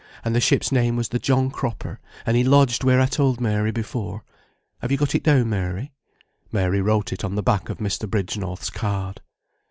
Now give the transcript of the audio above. "And the ship's name was the John Cropper, and he lodged where I told Mary before. Have you got it down, Mary?" Mary wrote it on the back of Mr. Bridgenorth's card.